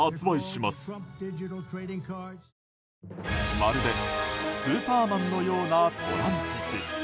まるでスーパーマンのようなトランプ氏。